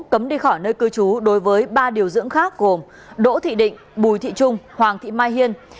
cấm đi khỏi nơi cư trú đối với ba điều dưỡng khác gồm đỗ thị định bùi thị trung hoàng thị mai hiên